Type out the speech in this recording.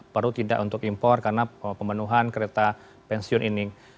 perlu tidak untuk impor karena pemenuhan kereta pensiun ini